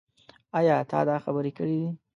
ايا تا دا خبره کړې ده ؟